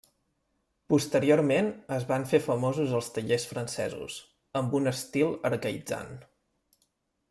Posteriorment es van fer famosos els tallers francesos, amb un estil arcaïtzant.